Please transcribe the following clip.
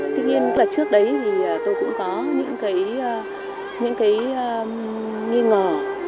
tuy nhiên là trước đấy thì tôi cũng có những cái nghi ngờ